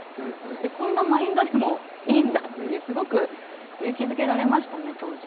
こんなマインドでもいいんだっていうすごく勇気づけられましたね当時。